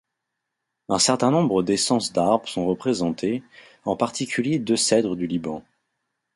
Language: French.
Un certain nombre d'essences d'arbres sont représentées, en particulier deux cèdres du Liban.